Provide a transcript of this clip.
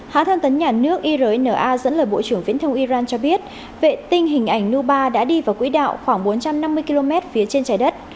hã thân tấn nhà nước irna dẫn lời bộ trưởng viễn thông iran cho biết vệ tinh hình ảnh nubar đã đi vào quỹ đạo khoảng bốn trăm năm mươi km phía trên trái đất